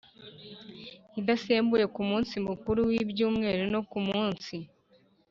Idasembuwe ku munsi mukuru w ibyumweru no ku munsi